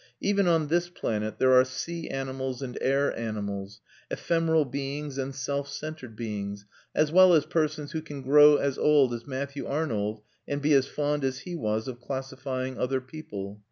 Even on this planet, there are sea animals and air animals, ephemeral beings and self centred beings, as well as persons who can grow as old as Matthew Arnold, and be as fond as he was of classifying other people.